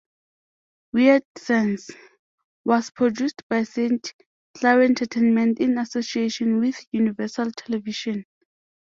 "Weird Science" was produced by Saint Clare Entertainment in association with Universal Television.